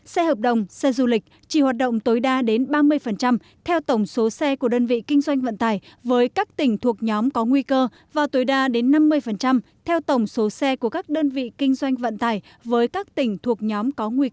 xe hợp đồng xe du lịch chỉ hoạt động tối đa đến ba mươi theo tổng số xe của đơn vị kinh doanh vận tải với các tỉnh thuộc nhóm có nguy cơ và tối đa đến năm mươi theo tổng số xe của các đơn vị kinh doanh vận tải với các tỉnh thuộc nhóm có nguy cơ